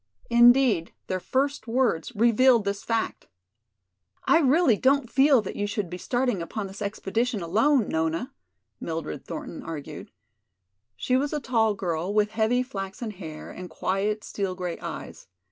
Indeed, their first words revealed this fact. "I really don't feel that you should be starting upon this expedition alone, Nona," Mildred Thornton argued. She was a tall girl, with heavy, flaxen hair and quiet, steel gray eyes.